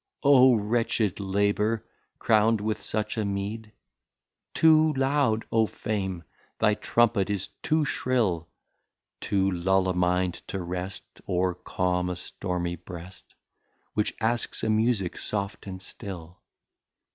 O Wretched Labour crown'd with such a Meed! Too loud, O Fame! thy Trumpet is, too shrill, To lull a Mind to Rest, Or calme a stormy Breast, Which asks a Musick soft and still.